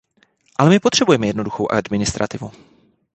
Ale my potřebujeme jednoduchou administrativu.